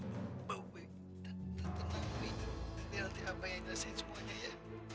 mbak wek dan tete nangwi nanti apa yang nyelesain semuanya ya